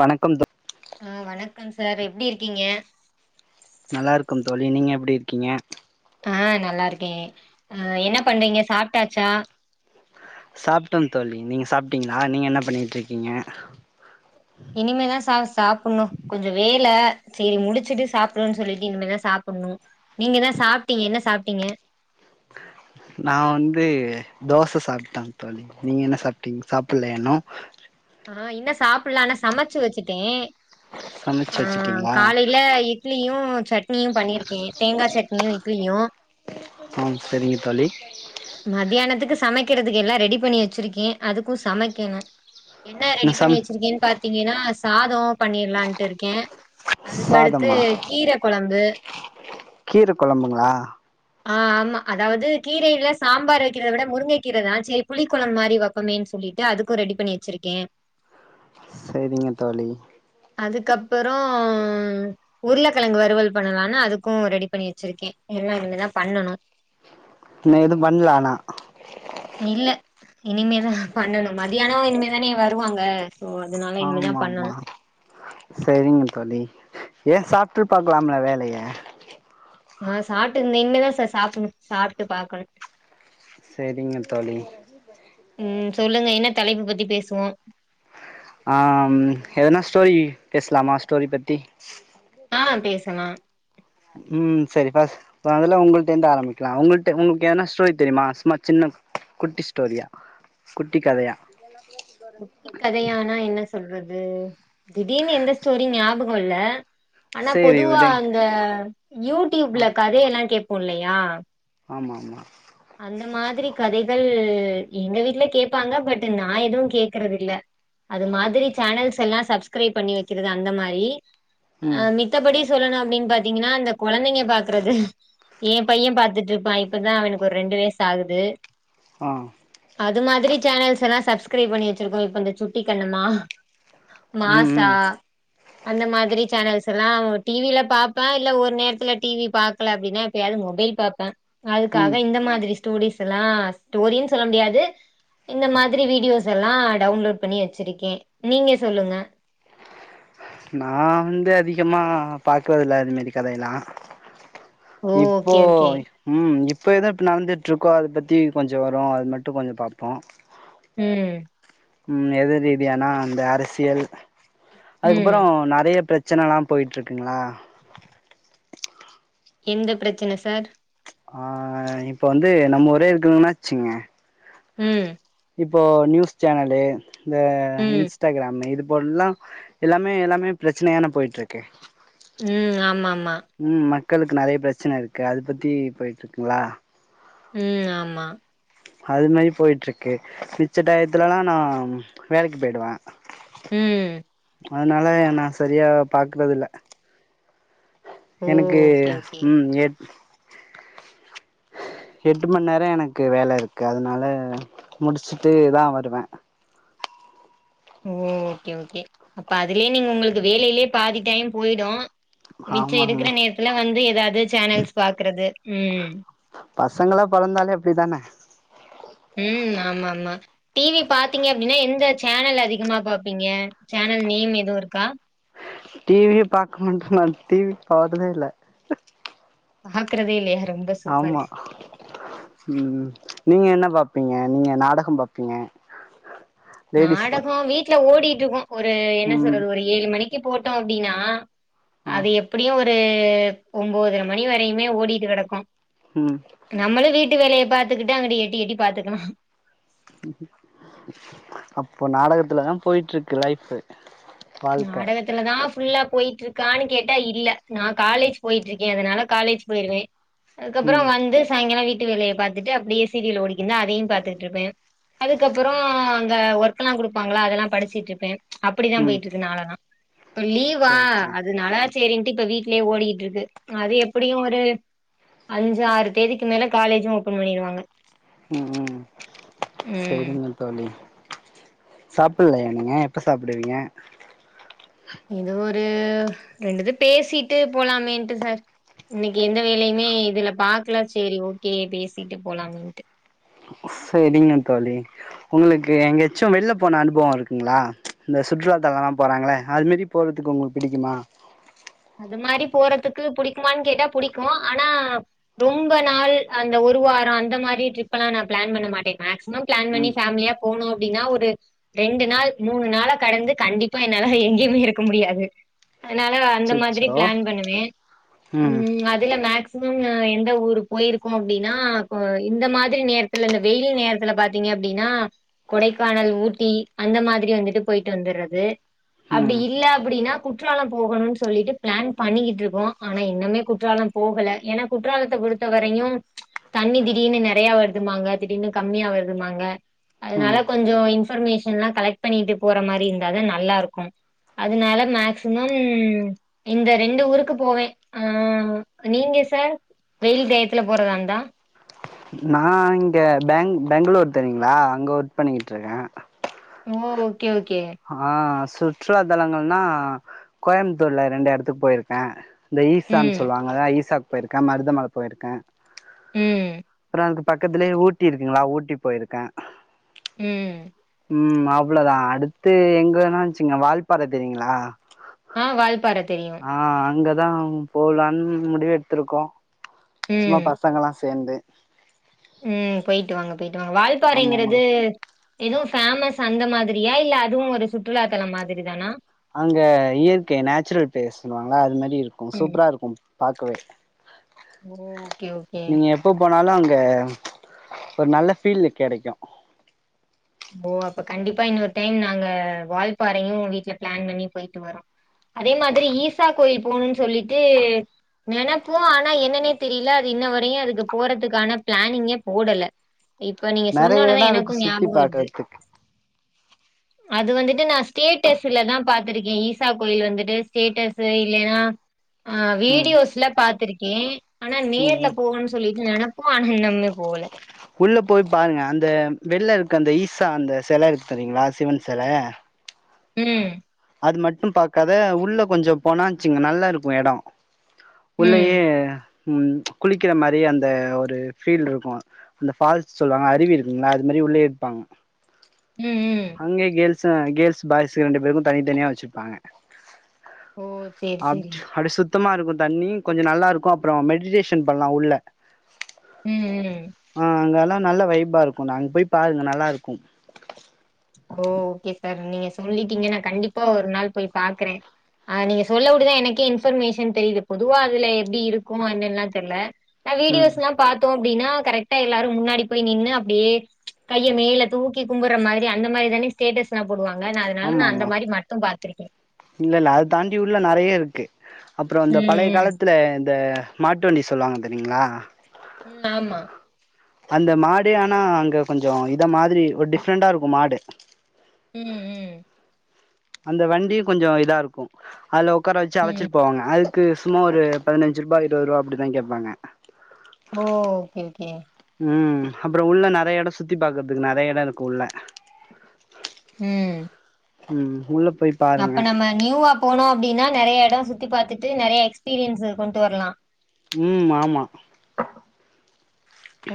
வணக்கம் தோ ஆஹ வணக்கம் சார் எப்படி இருக்கீங்க நல்லா இருக்கோம் தோழி நீங்க எப்படி இருக்கீங்க ஆஹ் நல்லா இருக்கேன் அஹ் என்ன பண்றீங்க சாப்பிட்டாச்சா சாப்பிட்டோம் தோழி நீங்க சாப்பிட்டீங்களா நீங்க என்ன பண்ணிட்டு இருக்கீங்க இனிமேதான் சார் சாப்பிடணும் கொஞ்சம் வேலை இதை முடிச்சுட்டு சாப்பிடும்ன்னு சொல்லிட்டு இனிமே தான் சாப்பிடணும் நீங்கதான் சாப்பிட்டீங்க என்ன சாப்பிட்டீங்க நான் வந்து தோசை சாப்பிட்டேன் தோழி நீங்க என்ன சாப்பிட்டீங்க சாப்பிடலயா இன்னும் இன்னும் சாப்பிடல ஆனால் சமச்சு வச்சுட்டேன் சமைச்சு ஆஹ் வச்சுட்டீங்களா காலையில இட்லியும் சட்னியும் பண்ணிருக்கேன் தேங்காய் சட்னியும் இட்லியும் ம் சரிங்க தோழி மத்தியானத்துக்கு சமைக்கிறதுக்கு எல்லா ரெடி பண்ணி வச்சிருக்கேன் அதுக்கு சமைக்கணும் என்ன இன்னு ரெடி சம் பண்ணி வச்சிருக்கேன் பாத்தீங்கன்னா சாதோம் பண்ணிரலாண்டு இருக்கேன் அதுக்கடுத்து சாதமா கீரை கொழம்பு கீர கொழம்புங்களா ஆஹ் ஆமா அதாவது கீரையில சாம்பார் வக்கிறத விட முருங்கை கீரை செரி புளிக்குழம்பு மாரி வைப்பமேன்னு சொல்லிட்டு அதுக்கு ரெடி பண்ணி வச்சிருக்கே சரிங்க தோழி அதுக்கப்பறோ உருளைக்கெழங்கு வறுவல் பண்ணலான்னு அதுக்கு ரெடி பண்ணி வச்சிருக்கேன் எல்லா இனிமேதா பண்ணணும் இன்னும் எதும் பண்ணல ஆனா இல்ல இனிமேதா பண்ணணும் மத்தியானம் இனிமேதானே வருவாங்க சோ அதனால இனிமே ஆமா தான் ஆமா பண்ணணும். சேரிங்க தோழி ஏன் சாப்ட்டு பாக்கலாமே வேலைய ஆஹ் சாப்ட்டு இனிமேதா சார் சாப்புடணும் சாப்ட்டு பாக்கணும் சேரிங்க தோழி உம் சொல்லுங்க என்ன தலைப்பு பத்தி பேசுவோம் ஆஹ் எதனா ஸ்டோரி பேசலாமா ஸ்டோரி பத்தி ஆ பேசலா உம் சரி பஸ் அதுல உங்கள்ட்ட இருந்து ஆரம்பிக்கலா உங்கள்ட உங்களுக்கு ஏதனா ஸ்டோரி தெரியுமா சும்மா சின்ன குட்டி ஸ்டோரியா குட்டி கதையா குட்டி கதையானா என்ன சொல்றது திடீர்னு எந்த ஸ்டோரி ஞாபக் மொல்ல ஆனா சேரி பொதுவா விடுங் அந்த ஆ யூடியூப்ல கதையெல்லா கேப் பொல்லையா ஆமா ஆமா அந்த மாதிரி கதைகள் எங்க வீட்ல கேப்பாங்க பட்டு நா எதுவு கேக்குறது இல்ல அது மாதிரி சேனல்ஸ் எல்லா சப்ஸ்கிரைப் பண்ணி வெக்கிறது அந்த மாரி அ ம் மித்தபடி சொல்லணு அப்டின்னு பாத்தீங்கன்னா அந்த கொழந்தைங்க பாக்கறது ஏன் பைய பாத்துட்டுருப்பா இப்பதா அவனுக்கு ஒரு ரெண்டு வயசு ஆகுது ஆ அது மாதிரி சேனல்ஸ் எல்லா சப்ஸ்கிரைப் பண்ணி வச்சிருக்கோ இப்ப இந்த சுட்டி கண்ணமா ம் மாசா ம் அந்த மாதிரி சேனல்ஸ் இதெல்லா டீவில பாப்பே இல்ல ஒரு நேரத்துல டிவி பாக்கல அப்படின்னா எப்பயாவது மொபைல் பாப்பே அதுக்காக ம் இந்த மாதிரி ஸ்டூடிஸ்லா ஸ்டோரினு சொல்ல முடியாது இந்த மாதிரி வீடியோஸ் எல்லா டவுன்லோட் பண்ணி வச்சிருக்கே நீங்க சொல்லுங்க க்கியமா பாக்குறதில்ல அதுமேரி கதையெல்லா ஓ இப்போ ஓகே ஓகே உம் இ இப்போ எது இப்போ நடந்துட்டுருக்கோ அத பத்தி கொஞ்சு வரு அது மட்டு கொஞ்சு பாப்போ ம் உம் எது ரீதியானா அந்த அரசியல் ம் அதுக்கப்பறோ நெறைய பிரச் பிரச்சனை எலா போயிட்டு இருக்குங்களா எந்த பிரச்சனை சார் ஆ இப்ப வந்து நம்ம ஒரே இருக்கணன்னாச்சுங்க உம் இப்போ நியூஸ் சேனலு இந்த ம் இன்ஸ்டாகிராம் இது போடுல்லா எல்லாமே எல்லாமே பிரச்சனையான போயிட்டு இருக்கு ம் ஆமா ஆமா உம் ம மக்களுக்கு நறைய பிரச்சன இருக்கு அ அத பத்தி போயிட்டு இருக்குங்களா ம் ஆமா அது மாரி போயிட்டு இருக்கு மிச்ச டயத்துலல்லா நா வேலைக்கு போயிடுவ ம் அதனால நா சரியா பாக்குறது இல்ல ஓ எனக்கு ஓகே ஓகே உம் எட் எட்டு மணி நேரோ எனக்கு வேல இருக்கு அதனால முடிச்சுட்டுதா வருவே ஓ ஓகே ஓகே அப்ப அதுலயே நீங்க உங்களுக்கு வேலையிலயே பாதி டைம் போயிடு மிச்ச ஆமாங்க இருக்கிற நேரத்துல வந்து ஏதாவது சேனல்ஸ் பாக்குறது உம் பசங்களா பலந்தாலே அப்டித்தான ம் ஆமா ஆமா டிவி பாத்தீங்க அப்டின்னா எந்த சேனல் அதிகமா பாப்பீங்க சேனல் நேம் எதுவு இருக்கா டி வி டி வி பாக்கமாட்டே மாம் டி வி போறதே இல்ல ஹக்கறதே இல்லையா ரொம்ப சூப்பர் ஆமா உம் நீங்க என்ன பா பாப்பீங்க நீங்க நாடக பாப்பீங்க லேடிஸ் நாடக வீட்டு ட்ல ஓடிற்றுக்கு ஒரு என்ன ம் சொல்றது ஒரு ஏழு மணிக் க்கு போட்டோ அப்டின்னா ஆ அது எப்டியோ ஒரு ஒரு ஒம்போதரை மணி வரையுமே ஓடிட்டு கெடக்கு ம் நம்ள வீட்டு வேலைய பாத்துக்கட்டு அங்க்ட எட்டி எட்டி பாத்துக்கலா உ அப்போ நாடகத்துல தா போயட்ருக்கு லைஃப் நாடகத்துலதா ஃபுல்லா போயிட்டு இருக்கான்னு கேட்டா இல்ல நா காலேஜ் போயிட்ருக்கேஅதனால காலேஜ் போயிிருவே அதுக்கப்ற ம் வந்து சாயங்காலம் வீ வட்டு வேலய பாத்துட்டு அப்டியே சீரியல் ஓடிக்குந்தா அதையு பாத்துட்ருப்பே அதுக்கப்ற அங்க ஒர்க் எல்லா கொடுப்பாங்களா அதெல்லா படிச்சுடருப்பே அப்டிதா ம் போய் னாலதா இப்ப லீவா சேரி சேரி அதுனால செரின்ட்டு இப்ப வீட்லயே ஓடிகிட்ருக்கு அது எப்பிடியு ஒரு அஞ்சு ஆறு தேதிக்கு மேல காலேஜு ஓபன் பண்ணிருவாங்க உம் உம் ம் சரிங்க தோழி சாப்பிட்லையா நீங்க எப்ப சாப்டுவீங்க இது ஒரு ரெண்டுது பேசிட்டு போலாமேன்ட்டு சார் இன்னைக்கு எந்த வேலையுமே இதுல பாக்கல சேரி ஓகே பேசிட்டு போலாமேன்ட்டு செரிங்க தோழி உங்களுக்கு எங்கயச்சு வெளில போன அனுபவ இருக்குங்களா இந்த சுற்றுலாத்தலம்லா போறாங்களே அது மாரி போறதுக்கு உங்களுக்கு பிடிக்குமா அது மாரி போறதுக்கு புடிக்குமான்னு கேட்டா புடிக்கு ஆனா ரொம்ப நாள் அந்த ஒரு வார அந்த மாரி ட்ரிப் எல்லா நா பிளான் பண்ண மாட்டே மாக்ஸிமம் பிளான் பண்ணி ம் ஃபாமிலியாப் போனோம் அப்பிடின்னா ஒரு ரெண்டு நாள் மூணு நாளக் கடந்து கண்டிப்பா என்னால எங்கேயுமே இருக்க முடியாது அதனால அந்த மாதிரி அச்சச்சோ பிளான் பண்ணுவே ம் அதுல மாக்ஸ் மம் எந்த ஊரு போயிருக்கோ அப்படின்னா இந்த மாதிரி நேரத்துல இந்த வெயில் நேரத்துல பாத்தீங்க அப்பிடின்னா கொடைக்கானல் ஊட்டி அந்த மாதிரி வந்துட்டு போயிட்டு வந்துறது அப்பிடி ம் இல்ல அப்பிடின்னா குற்றாலம் போகணும் சொல்லிட்டு பிளான் பண்ணிகிட்டு இருக்கோம் ஆனா இன்னுமே குற்றாலம் போகல ஏன்னா குற்றாலத்தை பொறுத்த வரையும் ப்ச் தண்ணி திடீர்னு நெறையா வருதும்பாங்க திடீர்னு கம்மியா வருதும்பாங்க அதனால ம் கொஞ்சோ இன்ஃபர்மேஷன்லா கலெக்ட் பண்ணிட்டு போற மாரி இருந்தாதா நல்லா இருக்கும் அதனால மேக்சிமம் இந்த ரெண்டு ஊருக்கு போவே அ நீங்க சார் வெயில் டயத்துல போறதாருந்தா நா இங்க பேங் பெங்களூர் தெரியுங்களா அங்க ஒர்க் பண்ணிகிட்ருக்கே ஓ ஓகே. ஆ சுற்றுலா தலங்கள்னா கோயம்புத்தூர்ல ரெண்டு எடத்துக்கு போயிருக்கே இந்த ம், ஈசான்னு சொல்லுவாங்கல ஈசா போயிருக்கே மருதமல போயிருக்கே ம் அங்க பக்கத்துலயே ஊட்டி இருக்குங்ளா ஊட்டி போயிருக்கே ம் ம் அவ்வளோதா அடுத் து எங்கனா வச்சுங்க வால்பாற தெரியுங்களா ஆ வால்பாற தெரியும். ஆ அங்க தா போலான்னு முடிவு எடுத்திருக்கோ சும்மா ம், பசங்களா சேந்து ம் போயிட்டு வாங்க போய்ட்டு வாங்க ஆமா ஆமா வால்பாறைங்கிறது எதுவு ஃபேமஸ் அந்த மாதிரியா இல்ல அதுவும் ஒரு சுற்றுலாத்தலம் மாதிரி தானா அங்க இயற்கை நேச்சுரல் ப்ளேஸ் சொல்லுவாங்கலா அது மாரி இருக்கு ம் சூப்பரா இருக்கு பாக்கவே ஓகே ஓகே நீங்க எப்ப போனாலு அங் க ஒரு நல்ல ஃபீல் கெடைக்கு ஓ அப்ப கண்டிப்பா இன்னொரு டைம் நாங்க வால்பறையும் வீட்ல பிளான் பண்ணி போயிட்டு வரோம் அதே மாதிரி ஈசா கோயில் போனு சொல்லிட்டு நெனைப்போ ஆனா என்னன்னே தெரியல அது இன்ன வரையும் அதுக்கு போறதுக்கான பிளானிங்கே போடல இப்ப நீங்க சொன்ன நெறைய ஒடனே எடோ இருக்கு எனக்கு ஞாபகம் வரு [unintelligible] அது வந்துட்டு நா ஸ்டேட்டஸ்லதா பாத்திருக்கே ஈசா கோயில் வந்துட்டு ஸ்டேட்டஸ் இல்லைன்னா ஆ ம் வீடியோஸ்ல பாத்திருக் கே ஆனா ம் நேர்ல ம் போகன்னு சொல்லிட்டு நெனப்போ ஆனா இன்னமுமே போவுல உள்ள போய் பாருங்க அந்த வெள்ள இருக்கு அந்த ஈசா அந்த செல இருக்கு பாத்திங்களா அந்த சிவன் செல ம் அது மட்டும் பாக்காத உள்ள கொஞ்சம் போனாச்சுங்க நல்லா இருக்கும் இடம் உள்ளல்லயே ம். உம் குளிக்கிற மாரி அந்த ஒரு ஃபீல்ட் இருக்கும் அந்த ஃபால்ஸ் சொல்லுவாங்க அருவி இருக்குதா அது மாரி உள்ளே எடுப்பாங்க ம். ம். அங்க கேர்ள்ஸ் கேள்ஸ் பாய்ஸ்கு ரெண்டு பேருக்கும் தனித்தனியா வச்சிருப்பாங்க ஓ! சரி, சரி. [unintelligible] சுத்தமா இருக்கும் தண்ணி கொஞ்சம் நல்லா இருக்கும் அப்புறம் மெடிடேஷன் பண்ணலாம் உள்ள ம். ம். ஆஹ் அங்கெல்லா நல்ல வைபா இருக்கும் அங்க போய் பாருங்க நல்லா இருக்கும் ஓ ஓகே சார் நீங்க சொல்லிட்டீங்க நான் கண்டிப்பா ஒரு நாள் போய் பாக்குறேன் ஆஹ நீங்க சொல்லபடிதான் எனக்கே இன்ஃபர்மேஷன் தெரியுது பொதுவா அதுல எப்படி இருக்கும் அல்லாம் தெரியல நான் ம் வீடியோஸ் எல்லாம் பார்த்தோம் அப்படினா கரெக்ட்டா எல்லாரும் முன்னாடி போய் நின்று அப்படியே கையை மேல தூக்கி கும்மற மாரி அந்த மாரி தானே ஸ்டேட்டஸ் நான் போடுவாங்க அதனால ந ஆமா அந்த ஆமா மாரி மட்டும் பார்த்தே [unintelligible] அப்புறம் ம். அந்த பழைய ம். காலத்துல இந்த மாட்டுவண்டி சொல்லுவாங்க தெரியுங்களா உம் ஆமா அந்த மாடு ஆனா அங்க கொஞ்சம் இத மாதிரி ஒரு டிஃபரண்டா இருக்கும் மாடு உம் உம் அந்த வண்டியும் கொஞ்சம் இதா இருக்கும் அளு உக்கார வச்சு ம் அழச்சிட்டு போவாங்க அளு க்கு சும்மா ஒரு பதினஞ்சு ரூப இருபது ரூப அப்படிதான் கேட்பாங்க ஓ ஓகே ஓகே உம் அப்புறம் உள்ள நிறைய இடம் சுத்தி பாாரக்குறதுக்கு நிறைய இடம் இருக்கு உள்ள ம் உம் உள்ள போய் பாருங்க அப்ப நம்ம நியூவா போனோம் அப்படின்னா நிறைய இடம் சுத்தி பாரத்துட்டு நிறைய எக்ஸ்பீரியன்ஸ் கொண்டு வரலாம் உம் ஆமா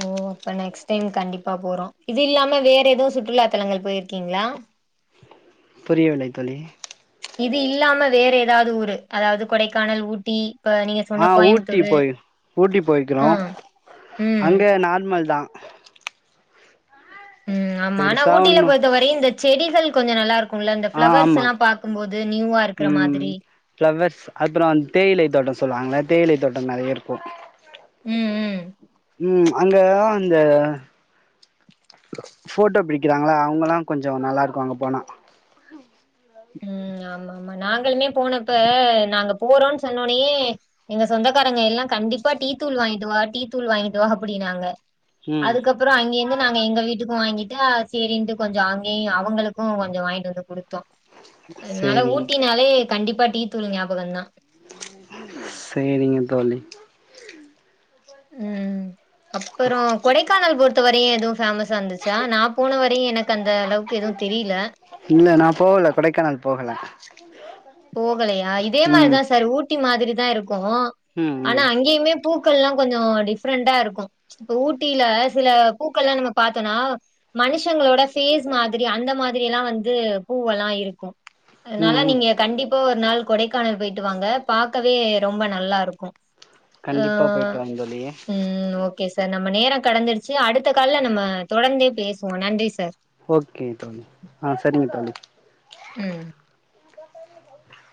ஓ அப்ப நெக்ஸ்ட் டைம் கண்டிப்பா போறோம் இது இல்லாம வேற எதவும் சுற்றுலா தலங்கள் போயிருக்கீங்களா புரியோ வில்லை தோழி இது இல்லாம வேற ஏதாவது ஊரு அதாவது கொடைக்கானல் ஊட்டி இப்ப நீங்க சொன்ன ஆஹ் ஊட்டி கோயம்புத்தூரு போய் ஊட்டி ஆ போய்கிறோம் ம் அங்க நார்மல் தான் உம் ஆமா ஆனா பெருசா ஊட்டியில ஒண்ணு பொத்த வரையும் இந்த செடிகள் கொஞ்சம் நல்லா இருக்கும் ந்த பிளவர்ஸ் எல்லாம் பார்கும்போது உம் பிளவர்ஸ் அப்புறோ தேயிலை தோட்டோ சொல்லுவாங்கல்ல தேயிலை தோட்டம் நறைய இருக்கோ உம் உம் உம் அங்க அந்த போட்டோ பிடிக்கிறாங்கல அவுங்கெல்லா கொஞ்சோ நல்லா இருக்கோ அங்க போனா உம் ஆமா ஆமா நாங்களுமே போனப்ப நாங்க போறோம்னு சொன்னோடனே எங்க சொந்தக்காரங்க எல்லா கண்டிப்பா டீ தூள் வாங்கிட்டு வா டீ தூள் வாங்கிட்டு வா அப்டின்னு சொன்னாங்க ம் அதுக்கப்புறோ அங்கேருந்து நாங்க எங்க வீட்டுக்கும் வாங்கிட்டு சேரின்டடு கொஞ்சோ அங்கேயு அவங்களுக்கும் கொஞ்சோ வாங்கிட்டு வந்து குடுத்தோ அதனால சேரி ஊட்டினாலே கண்டிப்பா டீ தூள் ஞாபகம் தா சேரிங்க தோழி உம் அப்புறோ கொடைக்கானல் போர் து வரையு ஏதுவு ஃபேமஸ் வந்துச்சா நா போன வரையு எனக் அந்த அளவுக்கு எதுவு தெரியல போல கொடைக்கானல் போகல போகலையா இதே ம் மாரிதா சார் ஊட் மாதிரி தா இருக் இருக்கோ ம் ஆனா ம் அங்கேயுமே பூக்கள்லா கொஞ்சோ டிஃப்ரெண்டா இருக்கோ இப்ப ஊட் டில சில பூக்கள்லா நம்ம பாத்தோனா மனுஷ் ஷங்களோட ஃபேஸ் மாதிரி அந்த மாதிரில்லா வந் இது பூவல்லா இருக்கோ அதனால ம் ம் நீங்க கண்டிப்பா ஒரு நாள் கொடைக்கானல் போயிட்டு வாங்க பாக்கவே ரொம்ப நல்லாருக்கோ கண்டிப்பா போயிட்டு வாங் தோழி ஒகே சார் நம்ம நேரோ கடந்துடுச்சு அடுத்த கால்ல நம்ம தொடர்ந்தே பேசுவோ‌ நன்றி சார் ஓகே தோழி ஆ சரிங்க தோழி ம்.